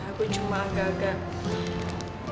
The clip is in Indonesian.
ya gue cuma agak agak